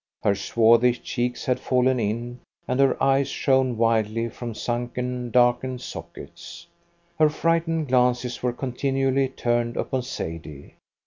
Her swarthy cheeks had fallen in, and her eyes shone wildly from sunken, darkened sockets. Her frightened glances were continually turned upon Sadie.